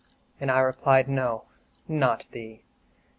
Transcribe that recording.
And I replied, "No, not thee!"